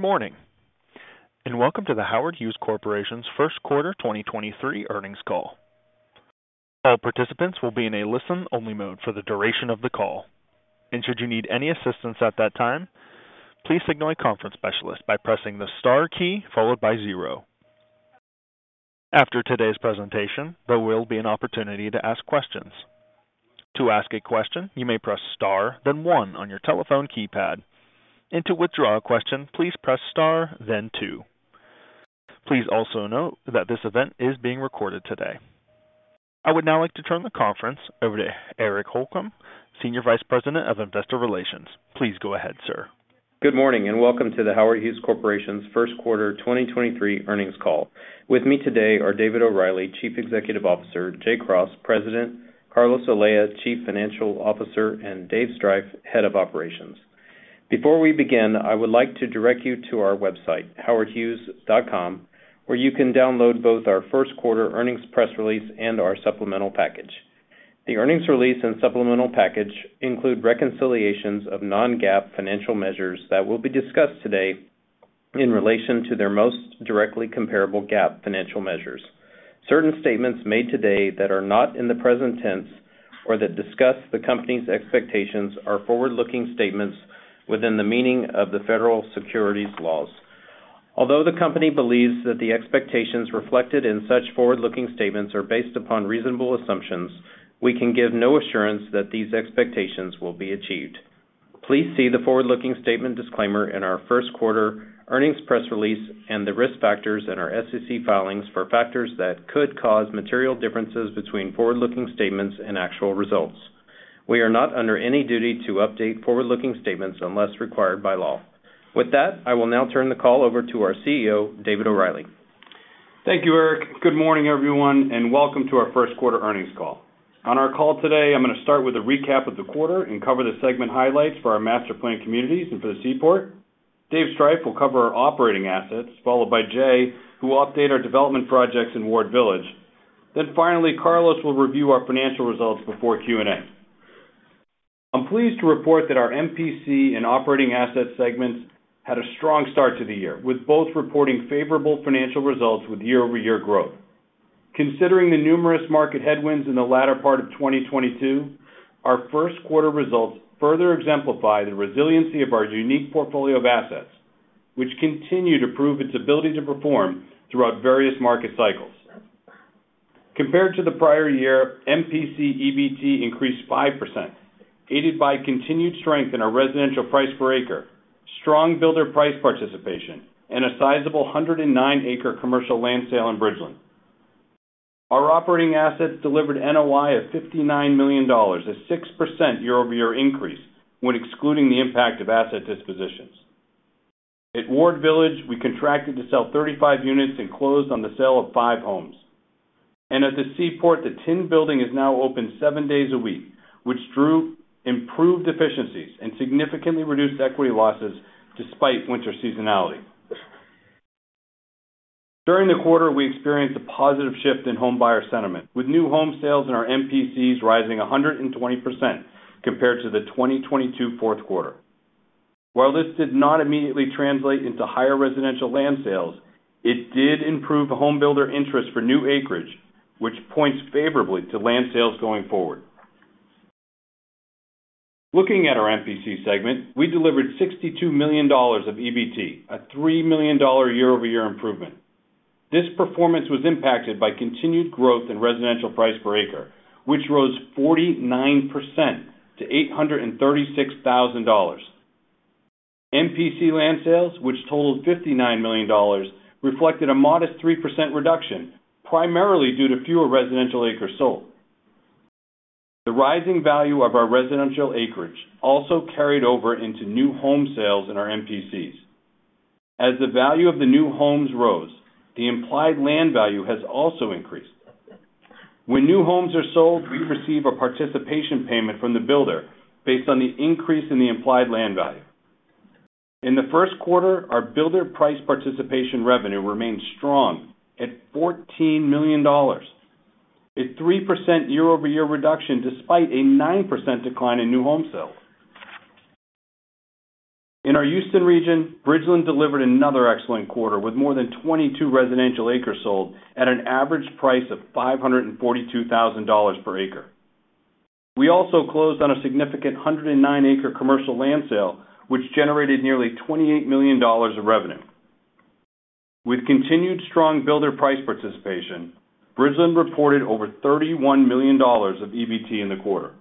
Good morning, welcome to The Howard Hughes Corporation's first quarter 2023 earnings call. All participants will be in a listen-only mode for the duration of the call. Should you need any assistance at that time, please signal a conference specialist by pressing the Star key followed by 0. After today's presentation, there will be an opportunity to ask questions. To ask a question, you may press Star, then one on your telephone keypad. To withdraw a question, please press Star, then two. Please also note that this event is being recorded today. I would now like to turn the conference over to Eric Holcomb, Senior Vice President of Investor Relations. Please go ahead, sir. Good morning. Welcome to The Howard Hughes Corporation's first quarter 2023 earnings call. With me today are David O'Reilly, Chief Executive Officer, Jay Cross, President, Carlos Olea, Chief Financial Officer, and Dave Striph, Head of Operations. Before we begin, I would like to direct you to our website, howardhughes.com, where you can download both our first quarter earnings press release and our supplemental package. The earnings release and supplemental package include reconciliations of non-GAAP financial measures that will be discussed today in relation to their most directly comparable GAAP financial measures. Certain statements made today that are not in the present tense or that discuss the company's expectations are forward-looking statements within the meaning of the federal securities laws. Although the company believes that the expectations reflected in such forward-looking statements are based upon reasonable assumptions, we can give no assurance that these expectations will be achieved. Please see the forward looking statement disclaimer in our first quarter earnings press release and the risk factors in our SEC filings for factors that could cause material differences between forward-looking statements and actual results. We are not under any duty to update forward-looking statements unless required by law. With that, I will now turn the call over to our CEO, David O'Reilly. Thank you, Eric. Good morning, everyone, welcome to our first quarter earnings call. On our call today, I'm gonna start with a recap of the quarter and cover the segment highlights for our master planned communities and for the Seaport. Dave Striph will cover our operating assets, followed by Jay, who will update our development projects in Ward Village. Finally, Carlos will review our financial results before Q&A. I'm pleased to report that our MPC and operating asset segments had a strong start to the year, with both reporting favorable financial results with year-over-year growth. Considering the numerous market headwinds in the latter part of 2022, our first quarter results further exemplify the resiliency of our unique portfolio of assets, which continue to prove its ability to perform throughout various market cycles. Compared to the prior year, MPC EBT increased 5%, aided by continued strength in our residential price per acre, strong builder price participation, and a sizable 109 acre commercial land sale in Bridgeland. Our operating assets delivered NOI of $59 million, a 6% year-over-year increase when excluding the impact of asset dispositions. At Ward Village, we contracted to sell 35 units and closed on the sale of five homes. At the Seaport, the Tin Building is now open 7 days a week, which drew improved efficiencies and significantly reduced equity losses despite winter seasonality. During the quarter, we experienced a positive shift in homebuyer sentiment, with new home sales in our MPCs rising 120% compared to the 2022 fourth quarter. While this did not immediately translate into higher residential land sales, it did improve home builder interest for new acreage, which points favorably to land sales going forward. Looking at our MPC segment, we delivered $62 million of EBT, a $3 million year-over-year improvement. This performance was impacted by continued growth in residential price per acre, which rose 49% to $836,000. MPC land sales, which totaled $59 million, reflected a modest 3% reduction, primarily due to fewer residential acres sold. The rising value of our residential acreage also carried over into new home sales in our MPCs. As the value of the new homes rose, the implied land value has also increased. When new homes are sold, we receive a participation payment from the builder based on the increase in the implied land value. In the first quarter, our builder price participation revenue remained strong at $14 million, a 3% year-over-year reduction despite a 9% decline in new home sales. In our Houston region, Bridgeland delivered another excellent quarter with more than 22 residential acres sold at an average price of $542,000 per acre. We also closed on a significant 109 acre commercial land sale, which generated nearly $28 million of revenue. With continued strong builder price participation, Bridgeland reported over $31 million of EBT in the quarter.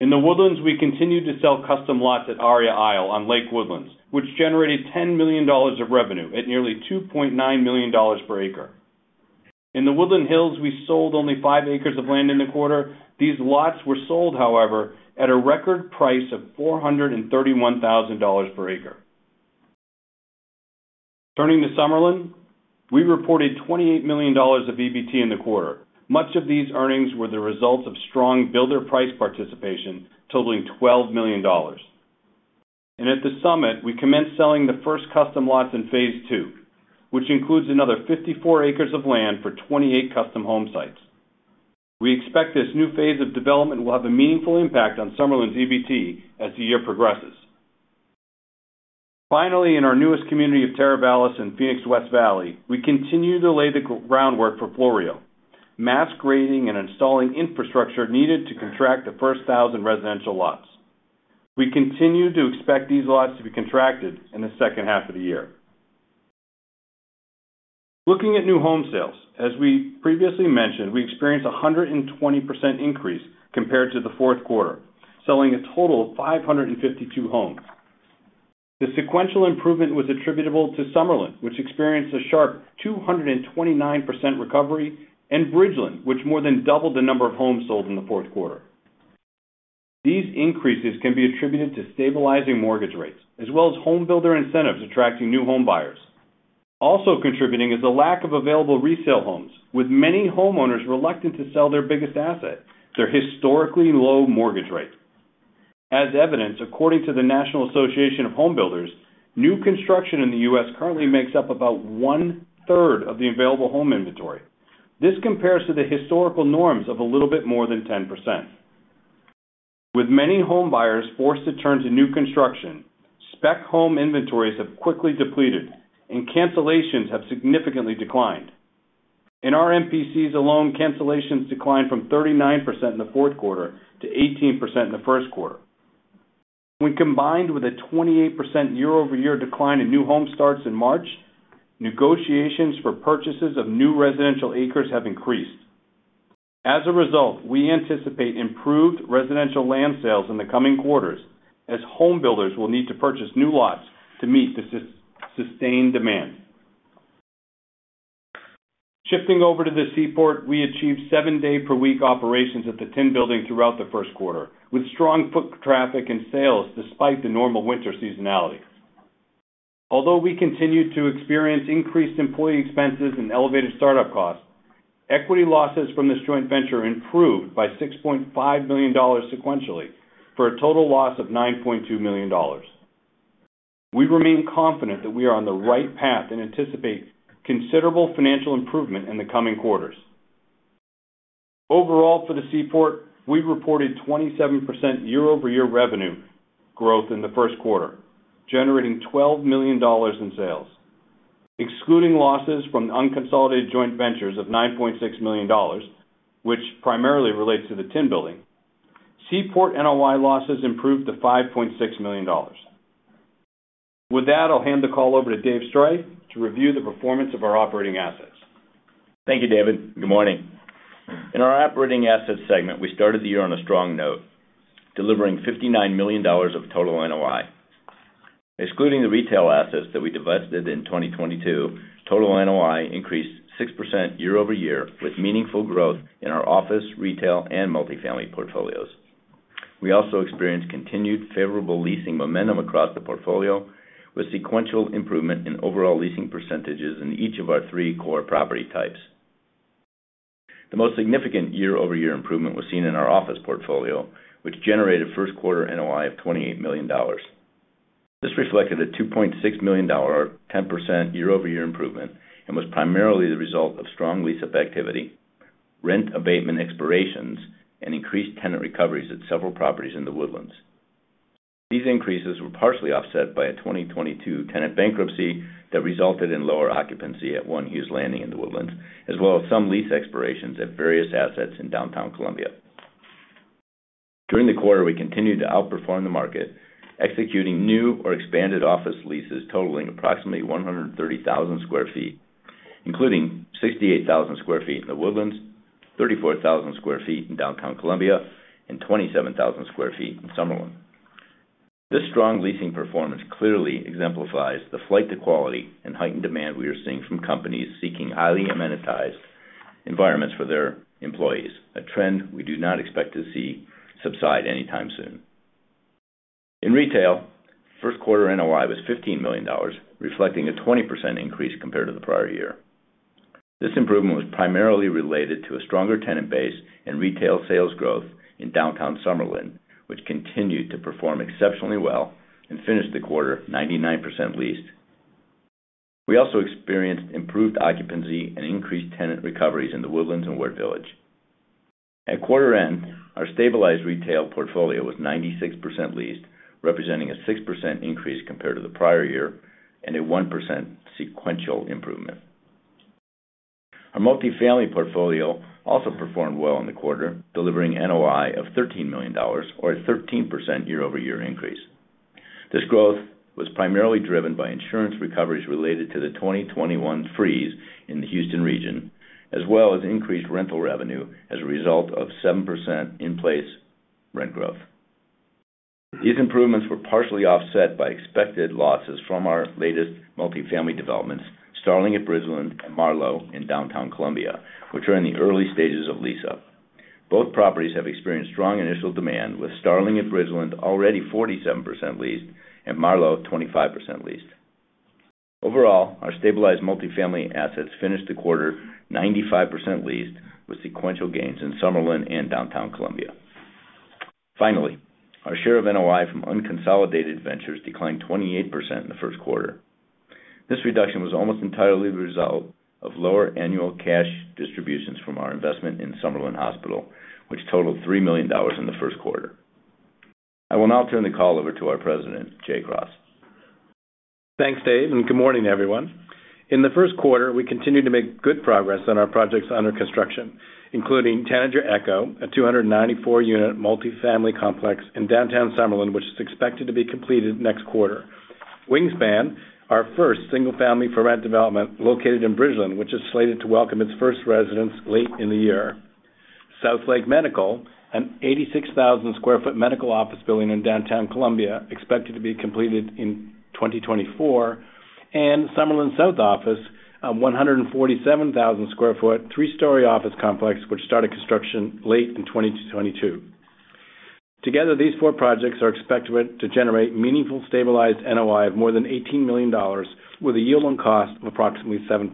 In The Woodlands, we continued to sell custom lots at Aria Isle on Lake Woodlands, which generated $10 million of revenue at nearly $2.9 million per acre. In The Woodlands Hills, we sold only 5 acres of land in the quarter. These lots were sold, however, at a record price of $431,000 per acre. Turning to Summerlin, we reported $28 million of EBT in the quarter. Much of these earnings were the result of strong builder price participation totaling $12 million. At The Summit, we commenced selling the first custom lots in phase II, which includes another 54 acres of land for 28 custom home sites. We expect this new phase of development will have a meaningful impact on Summerlin's EBT as the year progresses. Finally, in our newest community of Teravalis in Phoenix West Valley, we continue to lay the groundwork for Floreo, mass grading and installing infrastructure needed to contract the first 1,000 residential lots. We continue to expect these lots to be contracted in the second half of the year. Looking at new home sales, as we previously mentioned, we experienced a 120% increase compared to the fourth quarter, selling a total of 552 homes. The sequential improvement was attributable to Summerlin, which experienced a sharp 229% recovery, and Bridgeland, which more than doubled the number of homes sold in the fourth quarter. These increases can be attributed to stabilizing mortgage rates as well as home builder incentives attracting new home buyers. Also contributing is the lack of available resale homes, with many homeowners reluctant to sell their biggest asset, their historically low mortgage rate. As evidenced, according to the National Association of Home Builders, new construction in the U.S. currently makes up about 1/3 of the available home inventory. This compares to the historical norms of a little bit more than 10%. With many home buyers forced to turn to new construction, spec home inventories have quickly depleted and cancellations have significantly declined. In our MPCs alone, cancellations declined from 39% in the fourth quarter to 18% in the first quarter. When combined with a 28% year-over-year decline in new home starts in March, negotiations for purchases of new residential acres have increased. As a result, we anticipate improved residential land sales in the coming quarters as home builders will need to purchase new lots to meet the sustained demand. Shifting over to the Seaport, we achieved seven day per week operations at the Tin Building throughout the first quarter, with strong foot traffic and sales despite the normal winter seasonality. We continued to experience increased employee expenses and elevated start-up costs, equity losses from this joint venture improved by $6.5 million sequentially for a total loss of $9.2 million. We remain confident that we are on the right path and anticipate considerable financial improvement in the coming quarters. For the Seaport, we reported 27% year-over-year revenue growth in the first quarter, generating $12 million in sales. Excluding losses from unconsolidated joint ventures of $9.6 million, which primarily relates to the Tin Building, Seaport NOI losses improved to $5.6 million. I'll hand the call over to Dave Striph to review the performance of our operating assets. Thank you, David. Good morning. In our operating assets segment, we started the year on a strong note, delivering $59 million of total NOI. Excluding the retail assets that we divested in 2022, total NOI increased 6% year-over-year with meaningful growth in our office, retail, and multi-family portfolios. We also experienced continued favorable leasing momentum across the portfolio with sequential improvement in overall leasing percentages in each of our three core property types. The most significant year-over-year improvement was seen in our office portfolio, which generated first quarter NOI of $28 million. This reflected a $2.6 million or 10% year-over-year improvement and was primarily the result of strong lease-up activity, rent abatement expirations, and increased tenant recoveries at several properties in The Woodlands. These increases were partially offset by a 2022 tenant bankruptcy that resulted in lower occupancy at One Hughes Landing in The Woodlands, as well as some lease expirations at various assets in Downtown Columbia. During the quarter, we continued to outperform the market, executing new or expanded office leases totaling approximately 130,000 sq ft, including 68,000 sq ft in The Woodlands, 34,000 sq ft in Downtown Columbia, and 27,000 sq ft in Summerlin. This strong leasing performance clearly exemplifies the flight to quality and heightened demand we are seeing from companies seeking highly amenitized environments for their employees, a trend we do not expect to see subside anytime soon. In retail, first quarter NOI was $15 million, reflecting a 20% increase compared to the prior year. This improvement was primarily related to a stronger tenant base and retail sales growth in Downtown Summerlin, which continued to perform exceptionally well and finished the quarter 99% leased. We also experienced improved occupancy and increased tenant recoveries in The Woodlands and Ward Village. At quarter end, our stabilized retail portfolio was 96% leased, representing a 6% increase compared to the prior year and a 1% sequential improvement. Our multi-family portfolio also performed well in the quarter, delivering NOI of $13 million or a 13% year-over-year increase. This growth was primarily driven by insurance recoveries related to the 2021 freeze in the Houston region, as well as increased rental revenue as a result of 7% in-place rent growth. These improvements were partially offset by expected losses from our latest multi-family developments, Starling at Bridgeland and Marlowe in Downtown Columbia, which are in the early stages of lease-up. Both properties have experienced strong initial demand, with Starling at Bridgeland already 47% leased and Marlowe at 25% leased. Overall, our stabilized multi-family assets finished the quarter 95% leased with sequential gains in Summerlin and Downtown Columbia. Our share of NOI from unconsolidated ventures declined 28% in the first quarter. This reduction was almost entirely the result of lower annual cash distributions from our investment in Summerlin Hospital, which totaled $3 million in the first quarter. I will now turn the call over to our President, Jay Cross. Thanks, Dave, and good morning, everyone. In the first quarter, we continued to make good progress on our projects under construction, including Tanager Echo, a 294-unit multi-family complex in Downtown Summerlin, which is expected to be completed next quarter. Wingspan, our first single-family for rent development located in Bridgeland, which is slated to welcome its first residents late in the year. South Lake Medical, an 86,000 sq ft medical office building in Downtown Columbia, expected to be completed in 2024. Summerlin South Office, a 147,000 sq ft, three-story office complex which started construction late in 2022. Together, these four projects are expected to generate meaningful stabilized NOI of more than $18 million with a yield on cost of approximately 7%.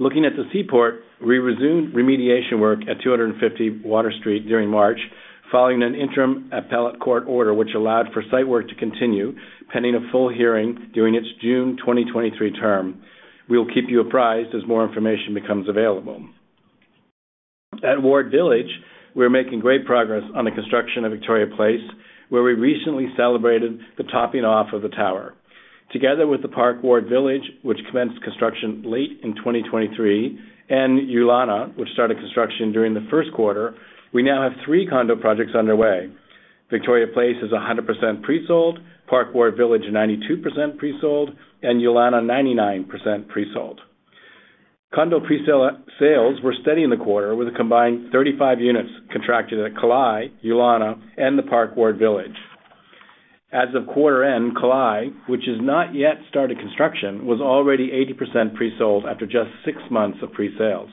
Looking at the Seaport, we resumed remediation work at 250 Water Street during March, following an interim appellate court order, which allowed for site work to continue pending a full hearing during its June 2023 term. We'll keep you apprised as more information becomes available. At Ward Village, we're making great progress on the construction of Victoria Place, where we recently celebrated the topping off of the tower. Together with the Park Ward Village, which commenced construction late in 2023, and Ulana, which started construction during the first quarter, we now have three condo projects underway. Victoria Place is 100% pre-sold, Park Ward Village, 92% pre-sold, and Ulana, 99% pre-sold. Condo pre-sale, sales were steady in the quarter with a combined 35 units contracted at Kalae, Ulana, and the Park Ward Village. As of quarter end, Kalae, which has not yet started construction, was already 80% pre-sold after just six months of pre-sales.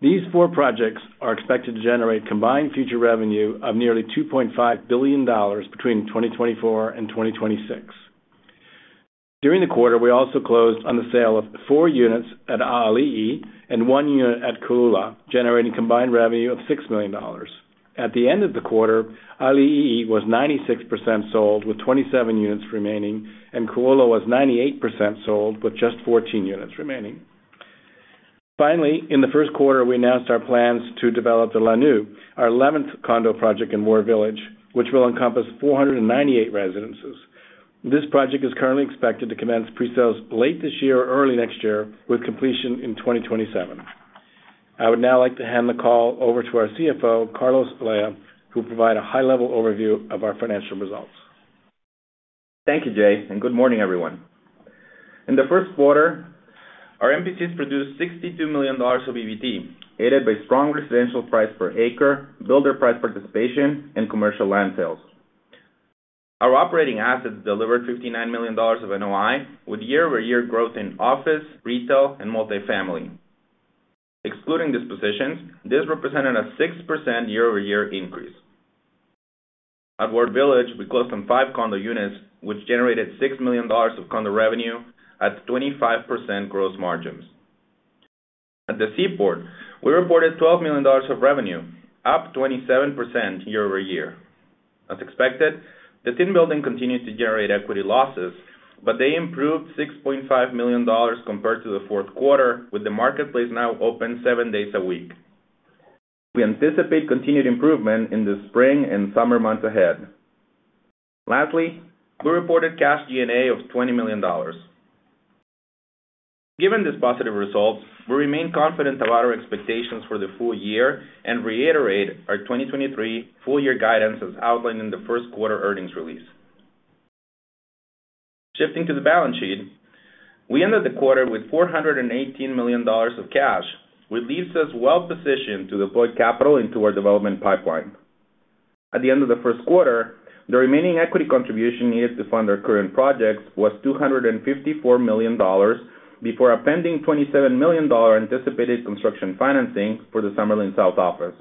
These four projects are expected to generate combined future revenue of nearly $2.5 billion between 2024 and 2026. During the quarter, we also closed on the sale of four units at A'ali'i and one unit at Kōʻula, generating combined revenue of $6 million. At the end of the quarter, A'ali'i was 96% sold with 27 units remaining, and Kōʻula was 98% sold with just 14 units remaining. In the first quarter, we announced our plans to develop The Launiu, our 11th condo project in Ward Village, which will encompass 498 residences. This project is currently expected to commence pre-sales late this year or early next year, with completion in 2027. I would now like to hand the call over to our CFO, Carlos Olea, who will provide a high-level overview of our financial results. Thank you, Jay. Good morning, everyone. In the first quarter, our MPCs produced $62 million of EBT, aided by strong residential price per acre, builder price participation, and commercial land sales. Our operating assets delivered $59 million of NOI with year-over-year growth in office, retail, and multifamily. Excluding dispositions, this represented a 6% year-over-year increase. At Ward Village, we closed on five condo units, which generated $6 million of condo revenue at 25% gross margins. At the Seaport, we reported $12 million of revenue, up 27% year-over-year. As expected, the Tin Building continued to generate equity losses. They improved $6.5 million compared to the fourth quarter, with the marketplace now open seven days a week. We anticipate continued improvement in the spring and summer months ahead. Lastly, we reported cash G&A of $20 million. Given these positive results, we remain confident about our expectations for the full year and reiterate our 2023 full year guidance as outlined in the first quarter earnings release. Shifting to the balance sheet, we ended the quarter with $418 million of cash, which leaves us well positioned to deploy capital into our development pipeline. At the end of the first quarter, the remaining equity contribution needed to fund our current projects was $254 million, before a pending $27 million anticipated construction financing for the Summerlin South office.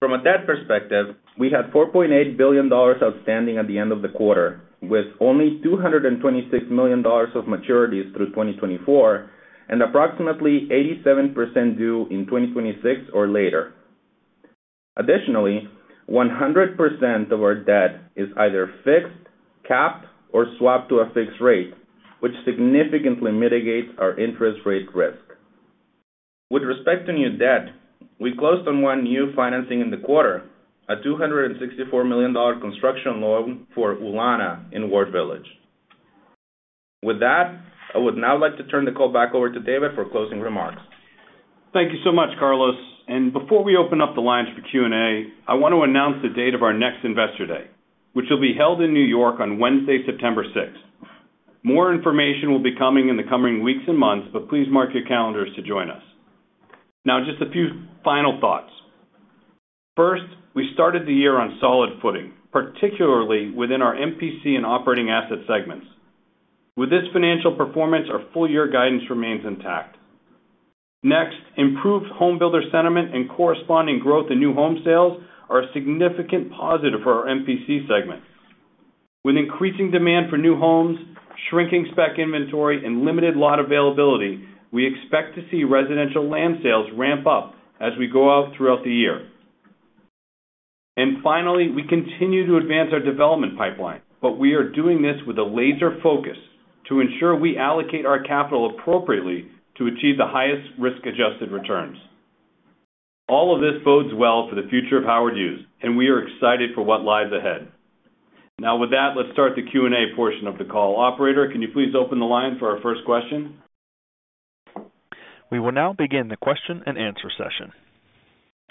From a debt perspective, we had $4.8 billion outstanding at the end of the quarter, with only $226 million of maturities through 2024 and approximately 87% due in 2026 or later. One hundred percent of our debt is either fixed, capped, or swapped to a fixed rate, which significantly mitigates our interest rate risk. With respect to new debt, we closed on one new financing in the quarter, a $264 million construction loan for Ulana in Ward Village. With that, I would now like to turn the call back over to David for closing remarks. Thank you so much, Carlos. Before we open up the lines for Q&A, I want to announce the date of our next Investor Day, which will be held in New York on Wednesday, September sixth. More information will be coming in the coming weeks and months, please mark your calendars to join us. Now, just a few final thoughts. First, we started the year on solid footing, particularly within our MPC and operating asset segments. With this financial performance, our full year guidance remains intact. Next, improved home builder sentiment and corresponding growth in new home sales are a significant positive for our MPC segment. With increasing demand for new homes, shrinking spec inventory, and limited lot availability, we expect to see residential land sales ramp up as we go out throughout the year. Finally, we continue to advance our development pipeline, but we are doing this with a laser focus to ensure we allocate our capital appropriately to achieve the highest risk-adjusted returns. All of this bodes well for the future of Howard Hughes, and we are excited for what lies ahead. Now, with that, let's start the Q&A portion of the call. Operator, can you please open the line for our first question? We will now begin the question-and-answer session.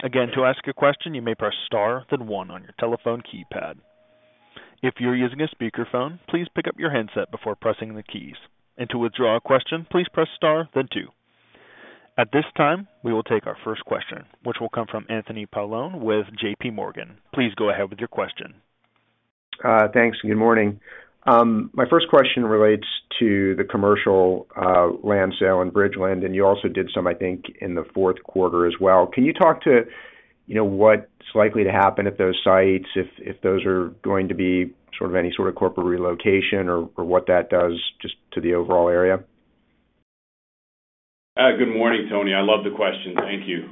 Again, to ask a question, you may press star, then one on your telephone keypad. If you're using a speakerphone, please pick up your handset before pressing the keys. To withdraw a question, please press star, then two. At this time, we will take our first question, which will come from Anthony Paolone with JPMorgan. Please go ahead with your question. Thanks, and good morning. My first question relates to the commercial land sale in Bridgeland. You also did some, I think, in the fourth quarter as well. Can you talk to, you know, what's likely to happen at those sites if those are going to be sort of any sort of corporate relocation or what that does just to the overall area? Good morning, Tony. I love the question. Thank you.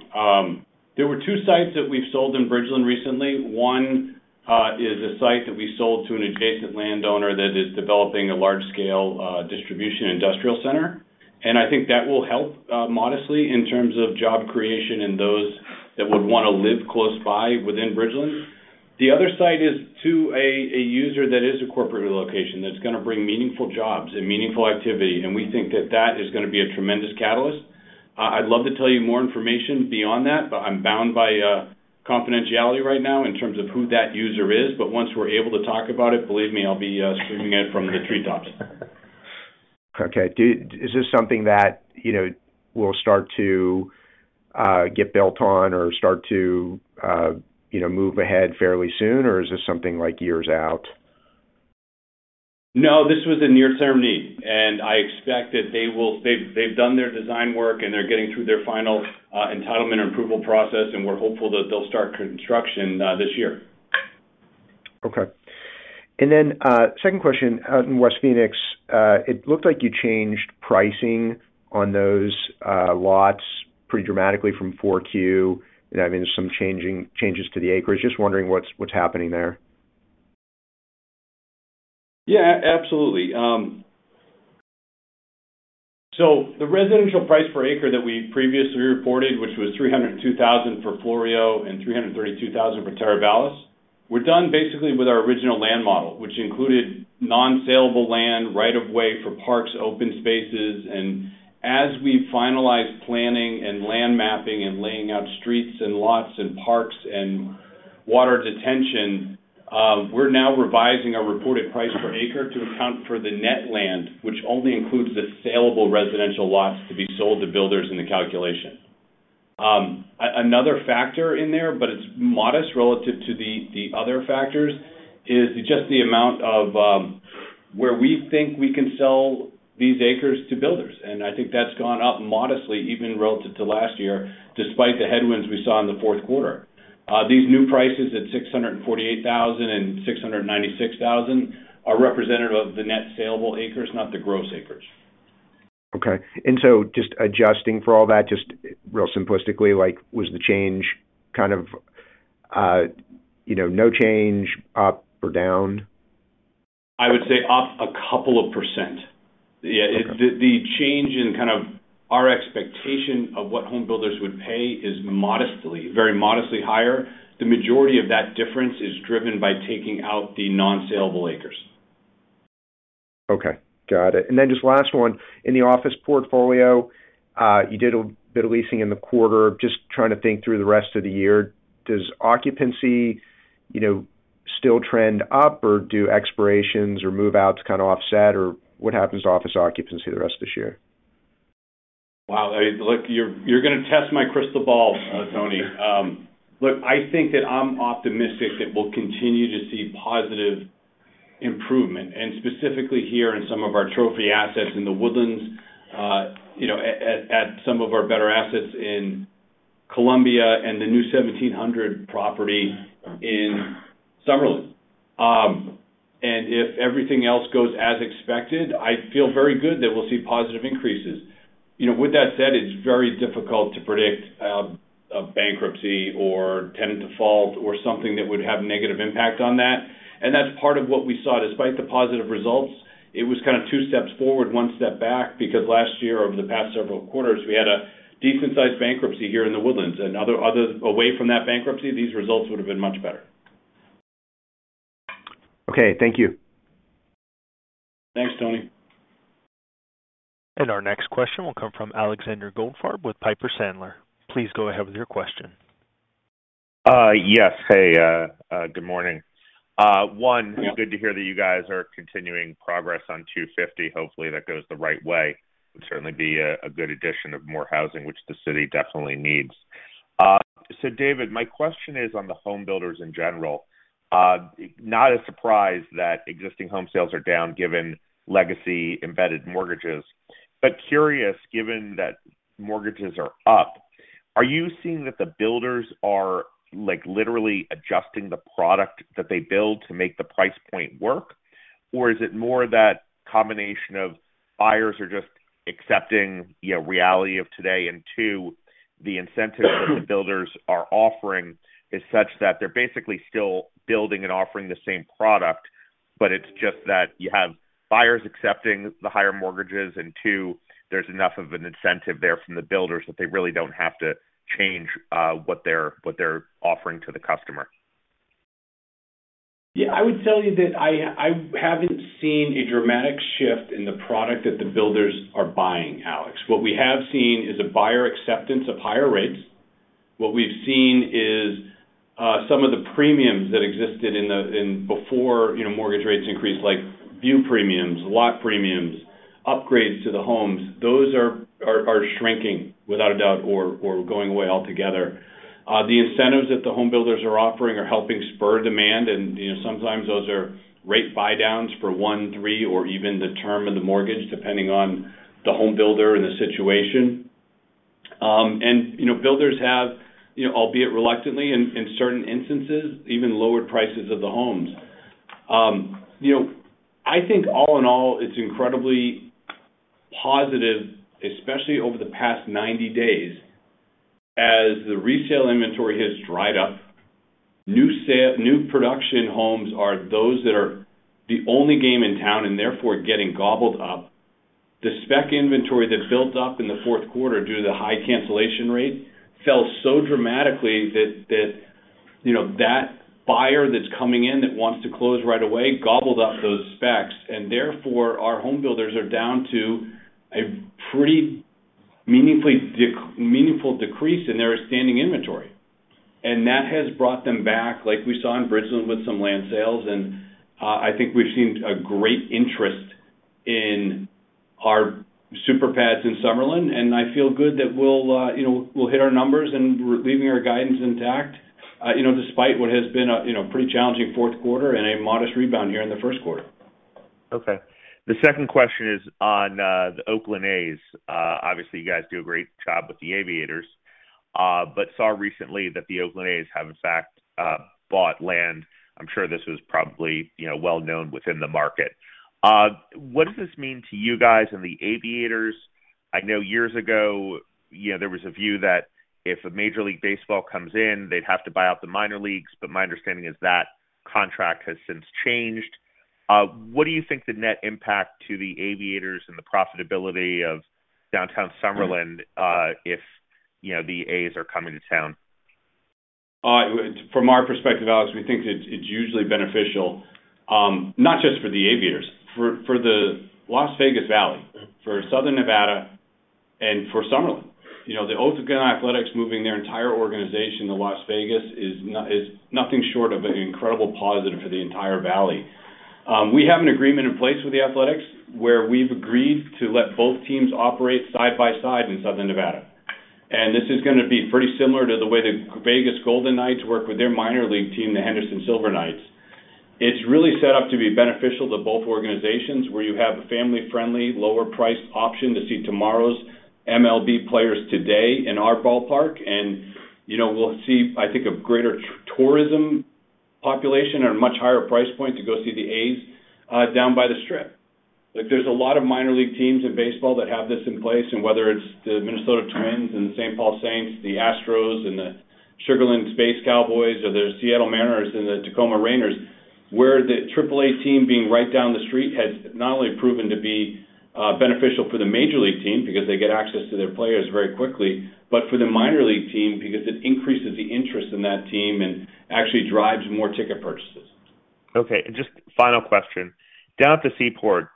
There were two sites that we've sold in Bridgeland recently. One is a site that we sold to an adjacent landowner that is developing a large-scale distribution industrial center. I think that will help modestly in terms of job creation and those that would wanna live close by within Bridgeland. The other site is to a user that is a corporate relocation that's gonna bring meaningful jobs and meaningful activity, and we think that that is gonna be a tremendous catalyst. I'd love to tell you more information beyond that, but I'm bound by confidentiality right now in terms of who that user is. Once we're able to talk about it, believe me, I'll be screaming it from the treetops. Okay. Is this something that, you know, will start to get built on or start to, you know, move ahead fairly soon, or is this something like years out? No, this was a near-term need, and I expect that they will. They've done their design work, and they're getting through their final entitlement and approval process, and we're hopeful that they'll start construction this year. Okay. Second question. Out in West Phoenix, it looked like you changed pricing on those, lots pretty dramatically from 4Q. I mean, there's some changes to the acreage. Just wondering what's happening there. Yeah, absolutely. The residential price per acre that we previously reported, which was $302,000 for Floreo and $332,000 for Teravalis, we're done basically with our original land model, which included non-saleable land, right of way for parks, open spaces. As we finalize planning and land mapping and laying out streets and lots and parks and water detention, we're now revising our reported price per acre to account for the net land, which only includes the saleable residential lots to be sold to builders in the calculation. Another factor in there, but it's modest relative to the other factors, is just the amount of where we think we can sell these acres to builders. I think that's gone up modestly even relative to last year, despite the headwinds we saw in the fourth quarter. These new prices at $648,000 and $696,000 are representative of the net saleable acres, not the gross acres. Okay. Just adjusting for all that, just real simplistically, like, was the change kind of, you know, no change, up or down? I would say up a couple of percent. Yeah. Okay. The change in kind of our expectation of what home builders would pay is modestly, very modestly higher. The majority of that difference is driven by taking out the non-saleable acres. Okay. Got it. Just last one. In the office portfolio, you did a bit of leasing in the quarter. Just trying to think through the rest of the year. Does occupancy, you know, still trend up, or do expirations or move-outs kind of offset? What happens to office occupancy the rest of this year? Wow. Look, you're gonna test my crystal ball, Tony. Look, I think that I'm optimistic that we'll continue to see positive improvement, and specifically here in some of our trophy assets in The Woodlands, you know, at some of our better assets in Columbia and the new 1700 property in Summerlin. If everything else goes as expected, I feel very good that we'll see positive increases. You know, with that said, it's very difficult to predict a bankruptcy or tenant default or something that would have negative impact on that, and that's part of what we saw. Despite the positive results, it was kind of two steps forward, one step back, because last year, over the past several quarters, we had a decent-sized bankruptcy here in The Woodlands. Away from that bankruptcy, these results would've been much better. Okay. Thank you. Thanks, Tony. Our next question will come from Alexander Goldfarb with Piper Sandler. Please go ahead with your question. Yes. Hey, good morning. One, good to hear that you guys are continuing progress on 250. Hopefully, that goes the right way. Would certainly be a good addition of more housing, which the city definitely needs. David, my question is on the home builders in general. Not a surprise that existing home sales are down given legacy embedded mortgages. Curious, given that mortgages are up. Are you seeing that the builders are like literally adjusting the product that they build to make the price point work? Is it more that combination of buyers are just accepting, you know, reality of today and two, the incentive that the builders are offering is such that they're basically still building and offering the same product, but it's just that you have buyers accepting the higher mortgages, and two, there's enough of an incentive there from the builders that they really don't have to change what they're offering to the customer? I haven't seen a dramatic shift in the product that the builders are buying, Alex. What we have seen is a buyer acceptance of higher rates. What we've seen is some of the premiums that existed before, you know, mortgage rates increased like view premiums, lot premiums, upgrades to the homes. Those are shrinking without a doubt or going away altogether. The incentives that the home builders are offering are helping spur demand and, you know, sometimes those are rate buy downs for one, three, or even the term of the mortgage, depending on the home builder and the situation. You know, builders have, you know, albeit reluctantly in certain instances, even lowered prices of the homes. You know, I think all in all, it's incredibly positive, especially over the past 90 days as the resale inventory has dried up. New production homes are those that are the only game in town and therefore getting gobbled up. The spec inventory that built up in the fourth quarter due to the high cancellation rate fell so dramatically that, you know, that buyer that's coming in that wants to close right away gobbled up those specs, and therefore, our home builders are down to a pretty meaningful decrease in their standing inventory. That has brought them back, like we saw in Bridgeland with some land sales, and I think we've seen a great interest in our super pads in Summerlin, and I feel good that we'll, you know, we'll hit our numbers and leaving our guidance intact, you know, despite what has been a, you know, pretty challenging fourth quarter and a modest rebound here in the first quarter. The second question is on the Oakland A's. Obviously, you guys do a great job with the Aviators, but saw recently that the Oakland A's have in fact bought land. I'm sure this was probably, you know, well known within the market. What does this mean to you guys in the Aviators? I know years ago, you know, there was a view that if a Major League Baseball comes in, they'd have to buy out the minor leagues, but my understanding is that contract has since changed. What do you think the net impact to the Aviators and the profitability of Downtown Summerlin, if, you know, the A's are coming to town? From our perspective, Alex, we think it's usually beneficial, not just for the Aviators, for the Las Vegas Valley, for Southern Nevada, and for Summerlin. You know, the Oakland Athletics moving their entire organization to Las Vegas is nothing short of an incredible positive for the entire valley. We have an agreement in place with the Athletics, where we've agreed to let both teams operate side by side in Southern Nevada. This is gonna be pretty similar to the way the Vegas Golden Knights work with their minor league team, the Henderson Silver Knights. It's really set up to be beneficial to both organizations, where you have a family-friendly, lower priced option to see tomorrow's MLB players today in our ballpark. you know, we'll see, I think, a greater tourism population or a much higher price point to go see the A's down by the Strip. There's a lot of minor league teams in baseball that have this in place, whether it's the Minnesota Twins and the St. Paul Saints, the Astros and the Sugar Land Space Cowboys, or the Seattle Mariners and the Tacoma Rainiers, where the Triple-A team being right down the street has not only proven to be beneficial for the Major League team because they get access to their players very quickly, but for the Minor League team because it increases the interest in that team and actually drives more ticket purchases. Okay. Just final question. Down at the Seaport,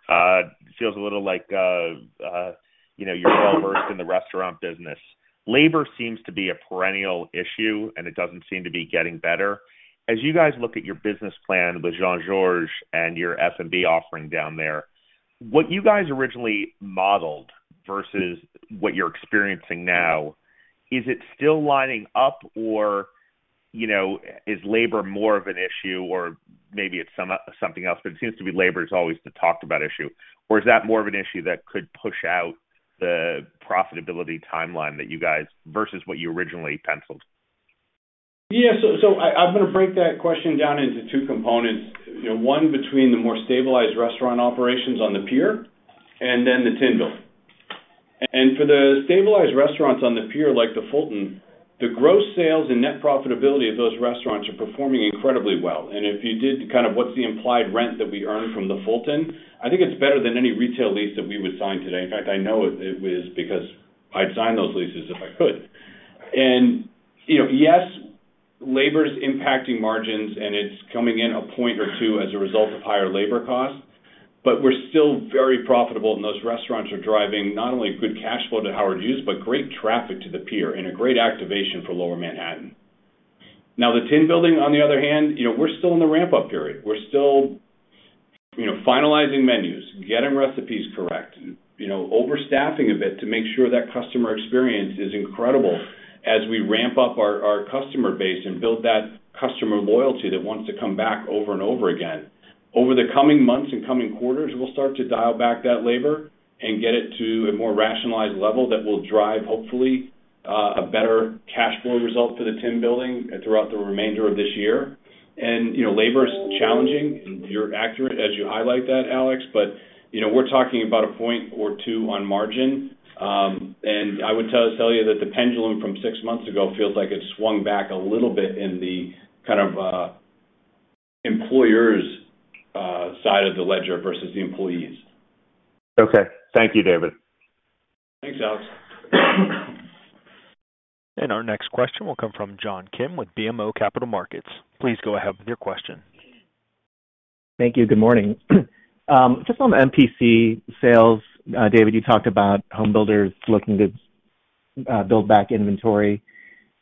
feels a little like, you know, you're well-versed in the restaurant business. Labor seems to be a perennial issue, it doesn't seem to be getting better. As you guys look at your business plan with Jean-Georges and your F&B offering down there, what you guys originally modeled versus what you're experiencing now, is it still lining up or, you know, is labor more of an issue or maybe it's something else? It seems to be labor is always the talked about issue. Is that more of an issue that could push out the profitability timeline that you guys... versus what you originally penciled? Yeah. I'm gonna break that question down into two components. You know, one between the more stabilized restaurant operations on the Pier and then the Tin Building. For the stabilized restaurants on the Pier, like the Fulton, the gross sales and net profitability of those restaurants are performing incredibly well. If you did kind of what's the implied rent that we earn from the Fulton, I think it's better than any retail lease that we would sign today. In fact, I know it is because I'd sign those leases if I could. You know, yes, labor is impacting margins, and it's coming in a point or two as a result of higher labor costs, but we're still very profitable, and those restaurants are driving not only good cash flow to Howard Hughes, but great traffic to the Pier and a great activation for Lower Manhattan. The Tin Building, on the other hand, you know, we're still in the ramp-up period. We're still, you know, finalizing menus, getting recipes correct, you know, overstaffing a bit to make sure that customer experience is incredible as we ramp up our customer base and build that customer loyalty that wants to come back over and over again. Over the coming months and coming quarters, we'll start to dial back that labor and get it to a more rationalized level that will drive, hopefully, a better cash flow result for the ten building throughout the remainder of this year. You know, labor is challenging, and you're accurate as you highlight that, Alex. You know, we're talking about a point or two on margin. I would tell you that the pendulum from 6 months ago feels like it swung back a little bit in the kind of employer's side of the ledger versus the employees. Okay. Thank you, David. Thanks, Alex. Our next question will come from John Kim with BMO Capital Markets. Please go ahead with your question. Thank you. Good morning. Just on MPC sales, David, you talked about homebuilders looking to build back inventory.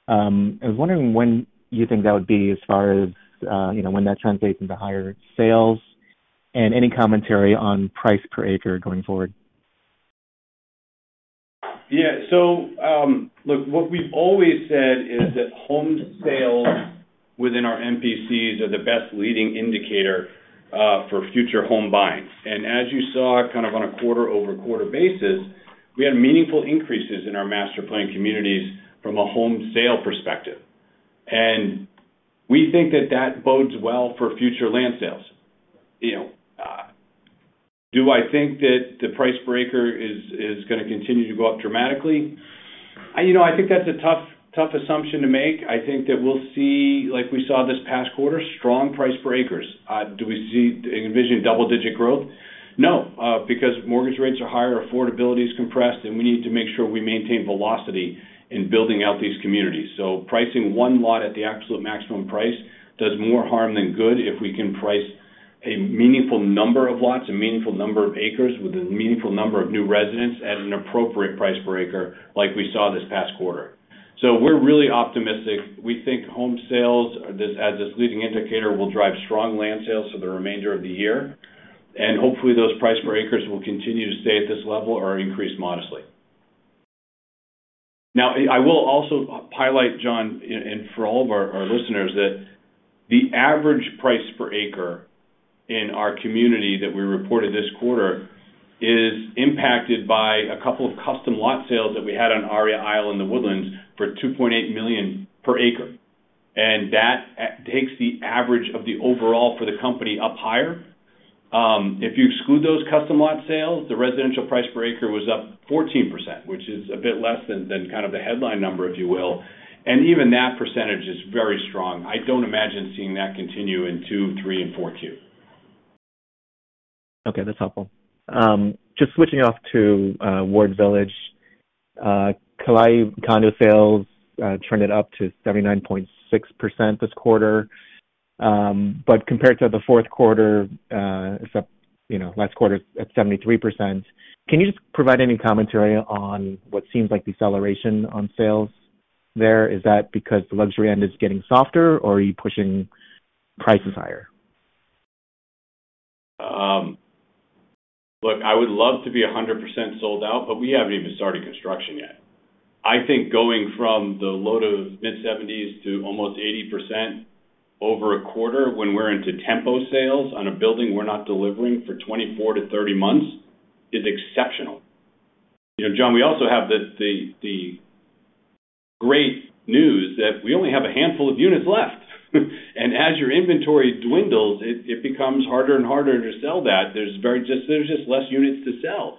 I was wondering when you think that would be as far as, you know, when that translates into higher sales and any commentary on price per acre going forward. Look, what we've always said is that home sales within our MPCs are the best leading indicator for future home buying. As you saw, kind of on a quarter-over-quarter basis, we had meaningful increases in our master plan communities from a home sale perspective. We think that that bodes well for future land sales. Do I think that the price per acre is gonna continue to go up dramatically? I think that's a tough assumption to make. I think that we'll see, like we saw this past quarter, strong price per acres. Do we envision double-digit growth? No, because mortgage rates are higher, affordability is compressed, and we need to make sure we maintain velocity in building out these communities. Pricing one lot at the absolute maximum price does more harm than good if we can price a meaningful number of lots, a meaningful number of acres with a meaningful number of new residents at an appropriate price per acre like we saw this past quarter. We're really optimistic. We think home sales, this, as this leading indicator, will drive strong land sales for the remainder of the year. Hopefully, those price per acres will continue to stay at this level or increase modestly. I will also highlight, John, and for all of our listeners, that the average price per acre in our community that we reported this quarter is impacted by a couple of custom lot sales that we had on Aria Isle in The Woodlands for $2.8 million per acre. That takes the average of the overall for the company up higher. If you exclude those custom lot sales, the residential price per acre was up 14%, which is a bit less than kind of the headline number, if you will. Even that percentage is very strong. I don't imagine seeing that continue in two, three, and 4Q. Okay, that's helpful. Just switching off to Ward Village. Kalae condo sales turned it up to 79.6% this quarter. Compared to the fourth quarter, it's up, you know, last quarter at 73%. Can you just provide any commentary on what seems like deceleration on sales there? Is that because the luxury end is getting softer or are you pushing prices higher? Look, I would love to be 100% sold out, we haven't even started construction yet. I think going from the load of mid-70s to almost 80% over a quarter when we're into tempo sales on a building we're not delivering for 24-30 months is exceptional. You know, John, we also have the great news that we only have a handful of units left. As your inventory dwindles, it becomes harder and harder to sell that. There's just less units to sell.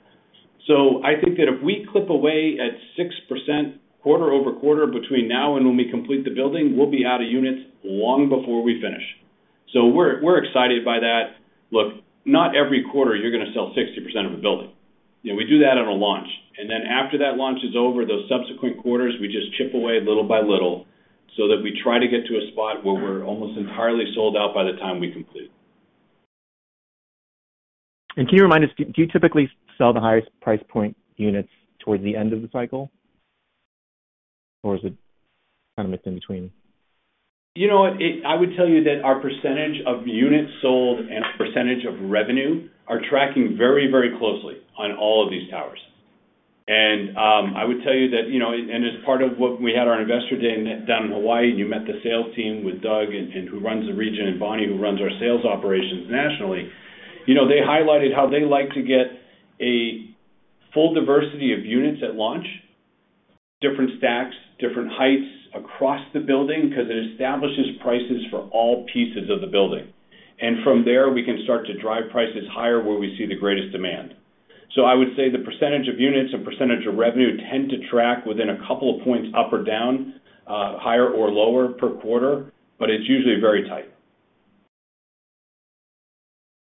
I think that if we clip away at 6% quarter-over-quarter between now and when we complete the building, we'll be out of units long before we finish. We're excited by that. Look, not every quarter you're gonna sell 60% of a building. You know, we do that on a launch. After that launch is over, those subsequent quarters, we just chip away little by little so that we try to get to a spot where we're almost entirely sold out by the time we complete. Can you remind us, do you typically sell the highest price point units towards the end of the cycle or is it kind of in between? You know what? I would tell you that our percentage of units sold and percentage of revenue are tracking very, very closely on all of these towers. I would tell you that, you know, as part of what we had our investor day down in Hawaii, and you met the sales team with Doug and who runs the region, and Bonnie, who runs our sales operations nationally. You know, they highlighted how they like to get a full diversity of units at launch, different stacks, different heights across the building because it establishes prices for all pieces of the building. From there, we can start to drive prices higher where we see the greatest demand. I would say the percentage of units and percentage of revenue tend to track within a couple of points up or down, higher or lower per quarter, but it's usually very tight.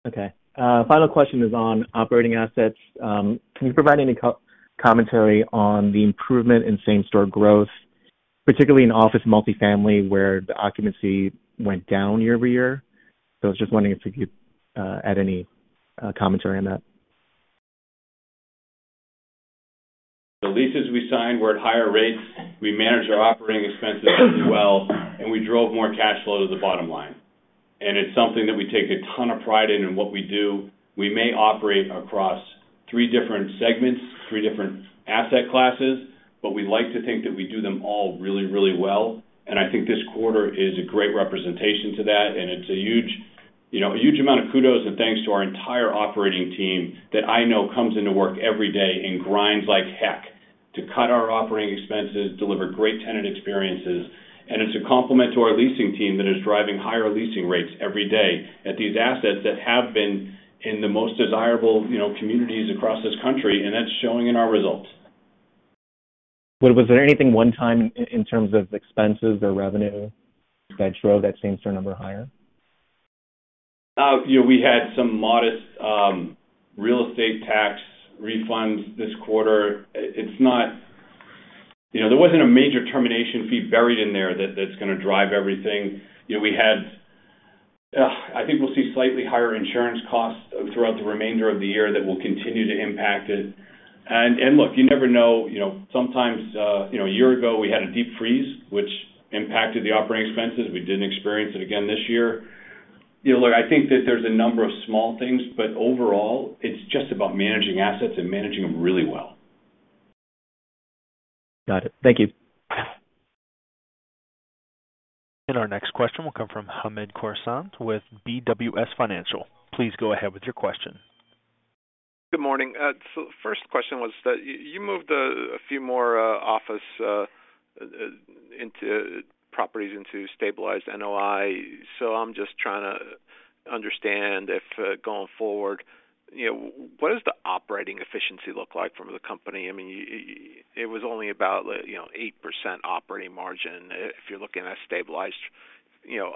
Okay. Final question is on operating assets. Can you provide any co-commentary on the improvement in same-store growth, particularly in office multifamily, where the occupancy went down year-over-year? I was just wondering if you could add any commentary on that. The leases we signed were at higher rates. We managed our operating expenses well, and we drove more cash flow to the bottom line. It's something that we take a ton of pride in what we do. We may operate across three different segments, three different asset classes, but we like to think that we do them all really, really well. I think this quarter is a great representation to that, and it's a huge, you know, amount of kudos and thanks to our entire operating team that I know comes into work every day and grinds like heck to cut our operating expenses, deliver great tenant experiences. It's a compliment to our leasing team that is driving higher leasing rates every day at these assets that have been in the most desirable, you know, communities across this country, and that's showing in our results. Was there anything one time in terms of expenses or revenue that drove that same store number higher? We had some modest real estate tax refunds this quarter. It's not. You know, there wasn't a major termination fee buried in there that's gonna drive everything. You know, we had, I think we'll see slightly higher insurance costs throughout the remainder of the year that will continue to impact it. Look, you never know, you know, sometimes, you know, a year ago, we had a deep freeze which impacted the operating expenses. We didn't experience it again this year. You know, look, I think that there's a number of small things, but overall, it's just about managing assets and managing them really well. Got it. Thank you. Our next question will come from Hamed Khorsand with BWS Financial. Please go ahead with your question. Good morning. First question was that you moved a few more office into properties into stabilized NOI. I'm just trying to understand if going forward, you know, what does the operating efficiency look like from the company? I mean, it was only about, you know, 8% operating margin if you're looking at stabilized, you know,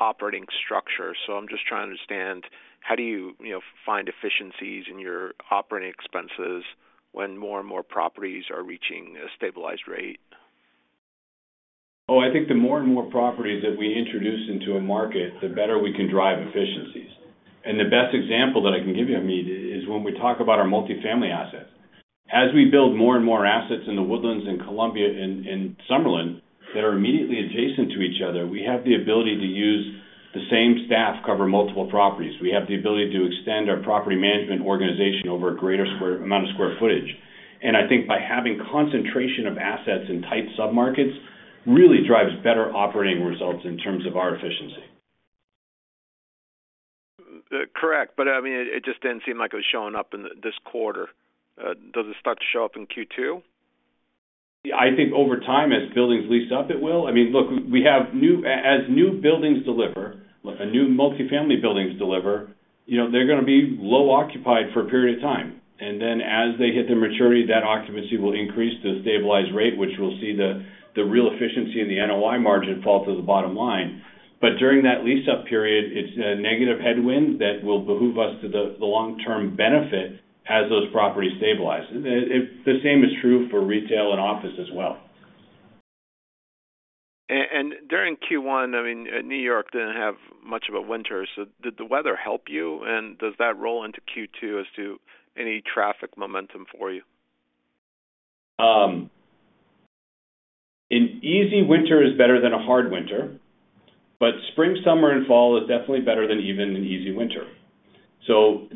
operating structure. I'm just trying to understand how do you know, find efficiencies in your operating expenses when more and more properties are reaching a stabilized rate? I think the more and more properties that we introduce into a market, the better we can drive efficiencies. The best example that I can give you, Hamed, is when we talk about our multi-family assets. As we build more and more assets in The Woodlands in Columbia and Summerlin that are immediately adjacent to each other, we have the ability to use the same staff cover multiple properties. We have the ability to extend our property management organization over a greater amount of square footage. I think by having concentration of assets in tight submarkets, really drives better operating results in terms of our efficiency. Correct. I mean, it just didn't seem like it was showing up in this quarter. Does it start to show up in Q2? I think over time, as buildings lease up, it will. I mean, look, we have as new buildings deliver, a new multi-family buildings deliver, you know, they're gonna be low-occupied for a period of time. Then as they hit their maturity, that occupancy will increase the stabilized rate, which we'll see the real efficiency in the NOI margin fall to the bottom line. During that lease-up period, it's a negative headwind that will behoove us to the long-term benefit as those properties stabilize. The same is true for retail and office as well. During Q1, I mean, New York didn't have much of a winter, so did the weather help you? Does that roll into Q2 as to any traffic momentum for you? An easy winter is better than a hard winter. Spring, summer, and fall is definitely better than even an easy winter.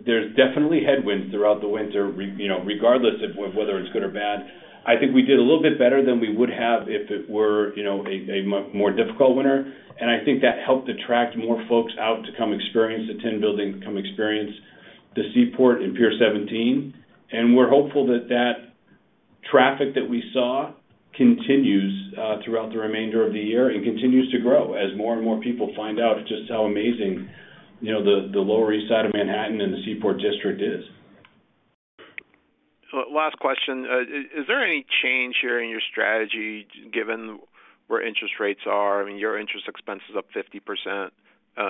There's definitely headwinds throughout the winter, you know, regardless of whether it's good or bad. I think we did a little bit better than we would have if it were, you know, a much more difficult winter. I think that helped attract more folks out to come experience the 10 buildings, come experience the Seaport and Pier 17. We're hopeful that that traffic that we saw continues throughout the remainder of the year and continues to grow as more and more people find out just how amazing, you know, the Lower East Side of Manhattan and the Seaport District is. Last question. Is there any change here in your strategy given where interest rates are? I mean, your interest expense is up 50%,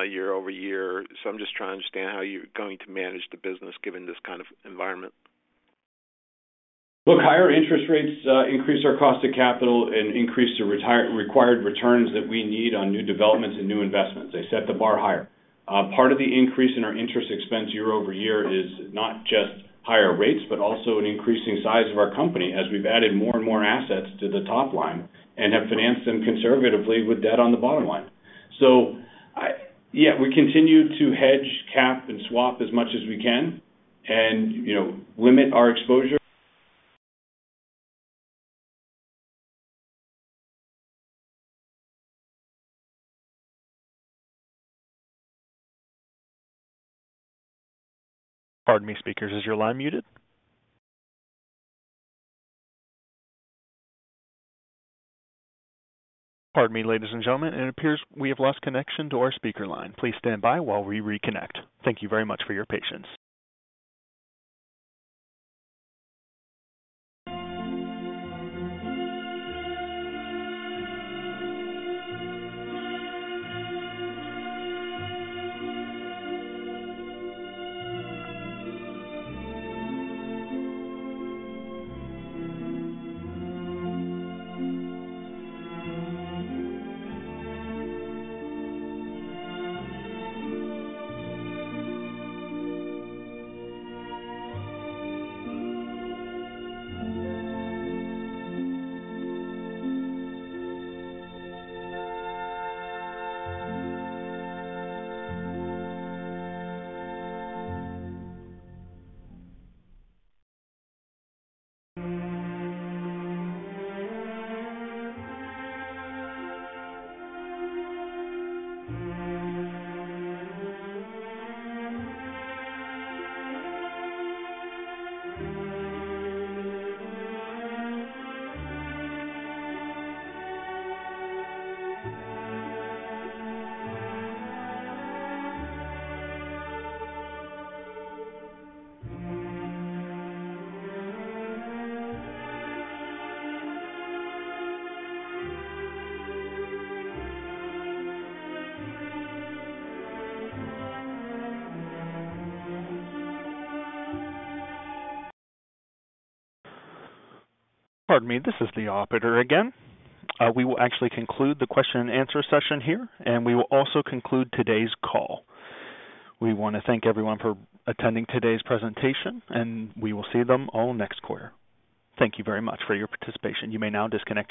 year-over-year. I'm just trying to understand how you're going to manage the business given this kind of environment. Look, higher interest rates increase our cost of capital and increase the required returns that we need on new developments and new investments. They set the bar higher. Part of the increase in our interest expense year-over-year is not just higher rates, but also an increasing size of our company as we've added more and more assets to the top line and have financed them conservatively with debt on the bottom line. Yeah, we continue to hedge, cap, and swap as much as we can and, you know, limit our exposure. Pardon me, speakers, is your line muted? Pardon me, ladies and gentlemen, it appears we have lost connection to our speaker line. Please stand by while we reconnect. Thank you very much for your patience. Pardon me. This is the operator again. We will actually conclude the question and answer session here, and we will also conclude today's call. We wanna thank everyone for attending today's presentation, and we will see them all next quarter. Thank you very much for your participation. You may now disconnect your-